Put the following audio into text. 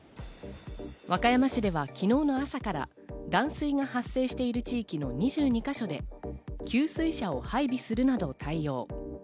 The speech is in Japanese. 和歌山市では昨日の朝から断水の発生している地域の２２か所で給水車を配備するなど対応。